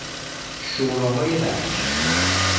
شوراهای بخش